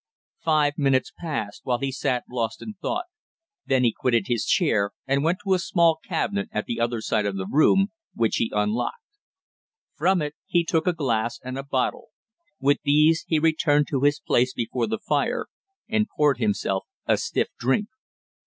Five minutes passed while he sat lost in thought, then he quitted his chair and went to a small cabinet at the other side of the room, which he unlocked; from it he took a glass and a bottle. With these he returned to his place before the fire and poured himself a stiff drink.